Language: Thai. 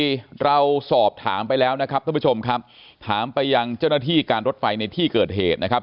เราสอบถามไปแล้วนะครับท่านผู้ชมครับถามไปยังเจ้าหน้าที่การรถไฟในที่เกิดเหตุนะครับ